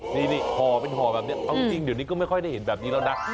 นี่ห่อเป็นห่อแบบนี้เอาจริงเดี๋ยวนี้ก็ไม่ค่อยได้เห็นแบบนี้แล้วนะ